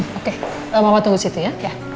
oke mama tunggu situ ya